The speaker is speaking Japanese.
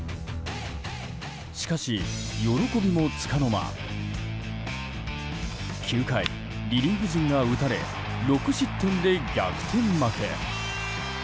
しかし、喜びもつかの間９回、リリーフ陣が打たれ６失点で逆転負け。